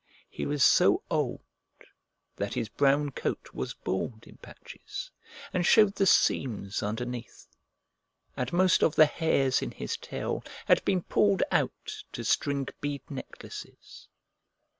He was so old that his brown coat was bald in patches and showed the seams underneath, and most of the hairs in his tail had been pulled out to string bead necklaces.